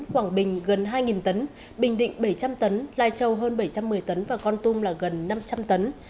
quảng bình gần hai tấn bình định bảy trăm linh tấn lai châu hơn bảy trăm một mươi tấn và con tum là gần năm trăm linh tấn